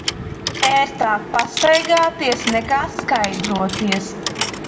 Ērtāk pastaigāties, nekā skaidroties.